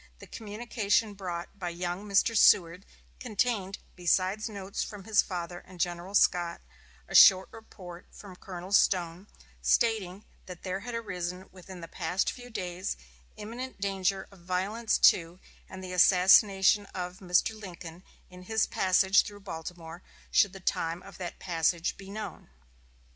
The communication brought by young Mr. Seward contained besides notes from his father and General Scott, a short report from Colonel Stone, stating that there had arisen within the past few days imminent danger of violence to and the assassination of Mr. Lincoln in his passage through Baltimore, should the time of that passage be known.